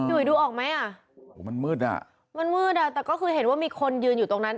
พี่อุ๋ยดูออกไหมมันมืดมันมืดแต่ก็คือเห็นว่ามีคนยืนอยู่ตรงนั้น